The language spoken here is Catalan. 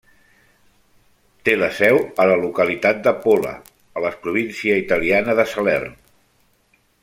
Té la seu a la localitat de Polla, a la província italiana de Salern.